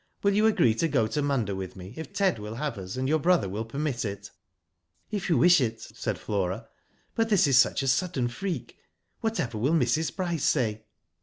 Will you agree to go to Munda with me if Ted will have us, and your brother will permit it?" If you wish it," said Flora ;*' but this is such a sudden freak. Whatever will Mrs. Bryce say?"